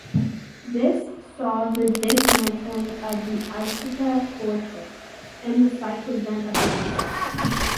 This saw the dismantling of the Isca fortress, and the site was then abandoned.